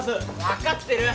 分かってる！